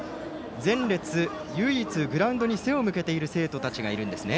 前列唯一、グラウンドに背を向けている生徒たちがいるんですね。